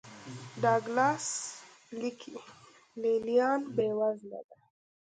ډاګلاس لیکي لې لیان بېوزله دي.